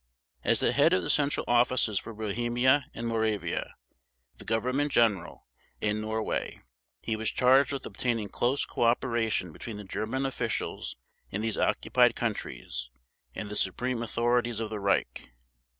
As the head of the Central Offices for Bohemia and Moravia, the Government General, and Norway, he was charged with obtaining close cooperation between the German officials in these occupied countries and the supreme authorities of the Reich.